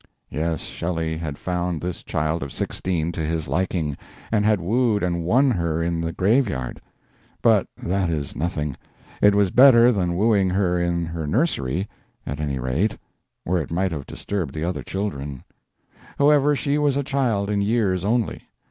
Yes, Shelley had found this child of sixteen to his liking, and had wooed and won her in the graveyard. But that is nothing; it was better than wooing her in her nursery, at any rate, where it might have disturbed the other children. However, she was a child in years only.